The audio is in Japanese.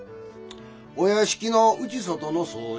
お屋敷の内外の掃除